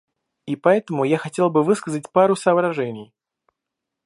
И поэтому я хотел бы высказать пару соображений.